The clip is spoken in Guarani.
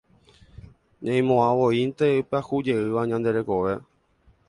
Ñaimo'ãvoínte ipyahujeýva ñande rekove.